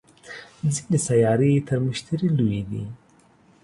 ځینې سیارې تر مشتري لویې دي